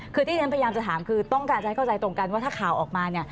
คือที่ฉันพยายามจะถามคือต้องการจะให้เข้าใจตรงกันว่าถ้าข่าวออกมาเนี่ย